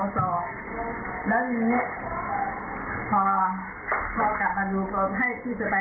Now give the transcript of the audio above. ก็เลยไปหาที่โรงพยาบาลหนองวลำพูมันไม่มีอะไรเลย